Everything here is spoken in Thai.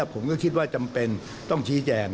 ผมก็คิดว่าจำเป็นต้องชี้แจง